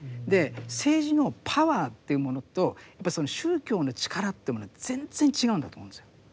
政治のパワーというものとやっぱりその宗教の力というものは全然違うんだと思うんですよ。